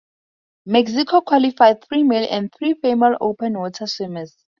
Mexico qualified three male and three female open water swimmers.